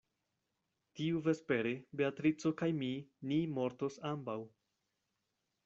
Tiuvespere Beatrico kaj mi ni mortos ambaŭ.